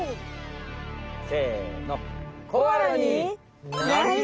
せの。